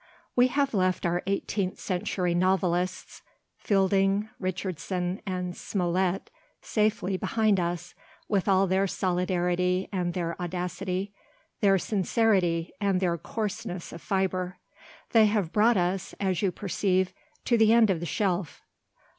We have left our eighteenth century novelists—Fielding, Richardson, and Smollett—safely behind us, with all their solidity and their audacity, their sincerity, and their coarseness of fibre. They have brought us, as you perceive, to the end of the shelf.